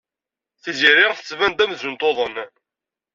Tiziri tettban-d amzun tuḍen.